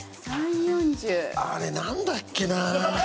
あれなんだっけな。